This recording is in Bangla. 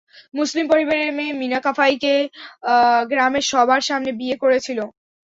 মুসলিম পরিবারের মেয়ে মিনাকাইফকে গ্রামের সবার সামনে বিয়ে করেছিল।